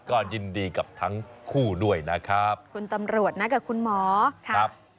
ก็ยินดีกับทั้งคู่ด้วยนะครับคุณตำรวจนะกับคุณหมอครับ